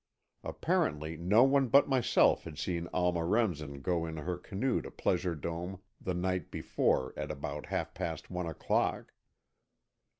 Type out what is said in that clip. Apparently no one but myself had seen Alma Remsen go in her canoe to Pleasure Dome the night before at about half past one o'clock.